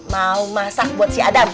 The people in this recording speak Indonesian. mau masak buat si adam